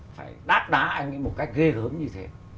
phải đát đá anh ấy một cách ghê gớm như thế